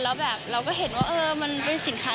แล้วแบบเราก็เห็นว่ามันเป็นสินค้า